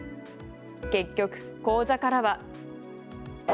結局、口座からは。